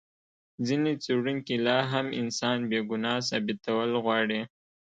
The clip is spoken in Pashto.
ځینې څېړونکي لا هم انسان بې ګناه ثابتول غواړي.